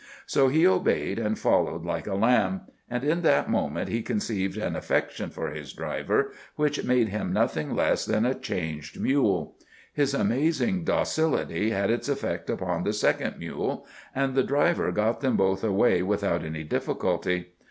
So he obeyed and followed like a lamb; and in that moment he conceived an affection for his driver which made him nothing less than a changed mule. His amazing docility had its effect upon the second mule, and the driver got them both away without any difficulty.